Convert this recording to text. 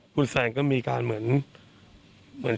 คุณแซนก็มีการเหมือน